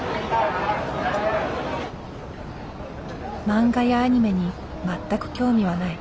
漫画やアニメに全く興味はない。